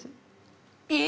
え？